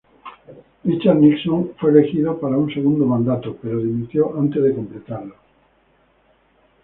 Richard Nixon fue elegido para un segundo mandato, pero dimitió antes de completarlo.